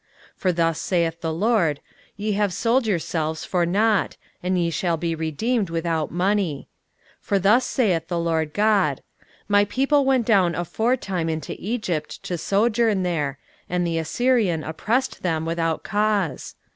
23:052:003 For thus saith the LORD, Ye have sold yourselves for nought; and ye shall be redeemed without money. 23:052:004 For thus saith the Lord GOD, My people went down aforetime into Egypt to sojourn there; and the Assyrian oppressed them without cause.